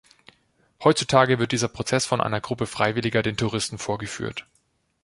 Heutzutage wird dieser Prozess von einer Gruppe Freiwilliger den Touristen vorgeführt.